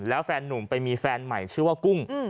แล้วแฟนนุ่มไปมีแฟนใหม่ชื่อว่ากุ้ง